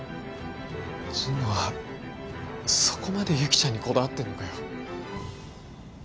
神野はそこまで由岐ちゃんにこだわってんのかよ？